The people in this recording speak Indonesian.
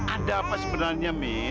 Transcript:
ada apa sebenarnya mi